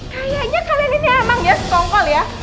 kayaknya kalian ini emang ya sekongkol ya